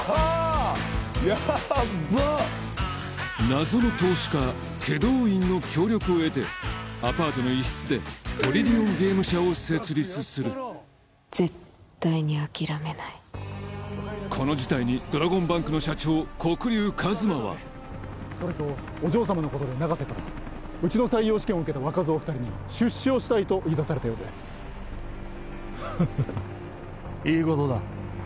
ヤッバ謎の投資家祁答院の協力を得てアパートの一室でトリリオンゲーム社を設立する絶対に諦めないこの事態にドラゴンバンクの社長・黒龍一真はお嬢様のことで長瀬からうちの採用試験を受けた若造二人に出資をしたいと言い出されたようでフフッいいことだ